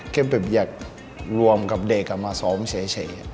แค่แบบอยากรวมกับเด็กมาซ้อมเฉย